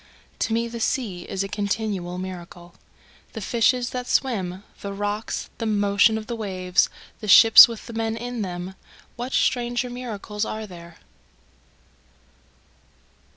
To me the sea is a continual miracle, The fishes that swim the rocks the motion of the waves the ships with the men in them, What stranger miracles are there?